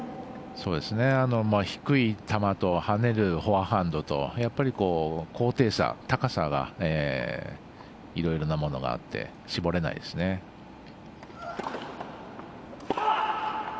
低い球と跳ねるフォアハンドとやっぱり、高低差高さがいろいろなものがあって絞れないですね。